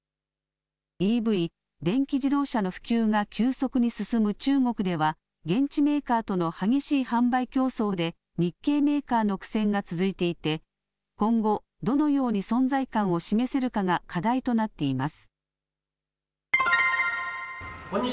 ＥＶ・電気自動車の普及が急速に進む中国では現地メーカーとの激しい販売競争で日系メーカーの苦戦が続いていて今後、どのように存在感を示せるかが課題となっています。